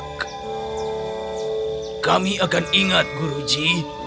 kami akan ingat guruji